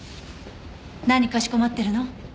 何かしこまってるの？